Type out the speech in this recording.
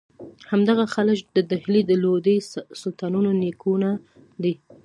همدغه خلج د ډهلي د لودي سلطانانو نیکونه دي.